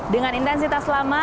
dengan intensitas lama